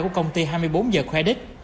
của công ty hai mươi bốn h credit